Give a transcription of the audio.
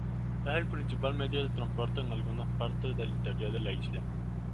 Es el principal medio de transporte en algunas partes del interior de la isla.